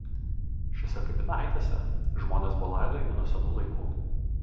Šiose kapinaitėse žmonės buvo laidojami nuo senų laikų.